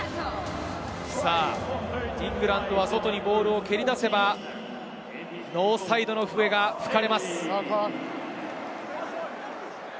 イングランドは外にボールを蹴り出せば、ノーサイドの笛が吹かれます。